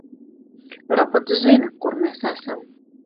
Robots zina, kur mēs esam.